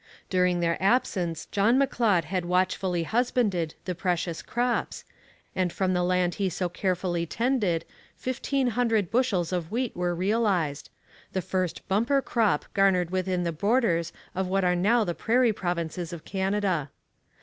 During their absence John M'Leod had watchfully husbanded the precious crops, and from the land he so carefully tended fifteen hundred bushels of wheat were realized the first 'bumper' crop garnered within the borders of what are now the prairie provinces of Canada.